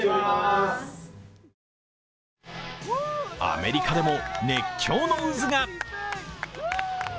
アメリカでも熱狂の渦が。